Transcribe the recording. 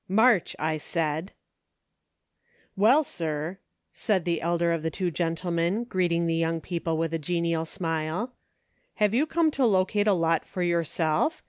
"march ! I SAID," WELL , sir," said the elder of the two gentle men, greeting the young people with a genial smile, " have you come to locate a lot for yourself